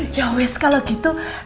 ya wess kalau gitu